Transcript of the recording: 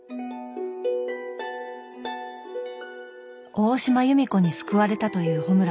大島弓子に救われたという穂村さん